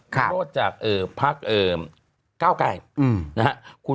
วิโรธจากภาคเก้าไกร